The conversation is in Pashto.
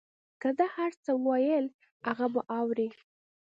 که ده هر څه ویل هغه به اورې.